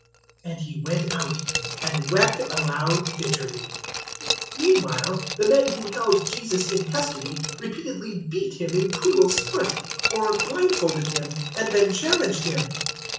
022:062 And he went out and wept aloud bitterly. 022:063 Meanwhile the men who held Jesus in custody repeatedly beat Him in cruel sport, 022:064 or blindfolded Him, and then challenged Him.